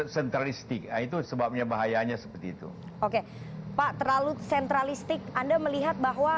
sentralistik itu martin makanya seperti itu hai oke pak terlalu sentralistik anda melihat bahwa